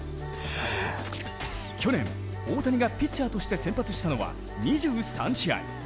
去年、大谷がピッチャーとして先発したのは２３試合。